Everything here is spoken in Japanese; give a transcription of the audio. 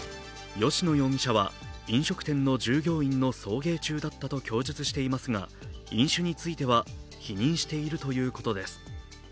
吉野容疑者は、飲食店の従業員の送迎中だったと供述していますが飲酒については否認しているということです。